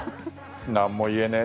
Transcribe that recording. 何も言えねえ。